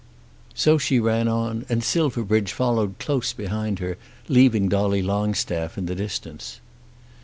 So she ran on, and Silverbridge followed close behind her, leaving Dolly Longstaff in the distance.